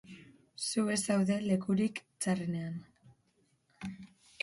Zu ez zaude lekurik txarrenean.